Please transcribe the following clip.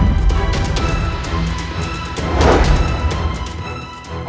aku harus menolongnya